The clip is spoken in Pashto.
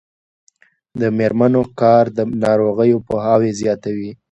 د میرمنو کار د ناروغیو پوهاوی زیاتوي.